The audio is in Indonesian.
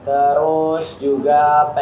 terus juga pengen banget punya mobil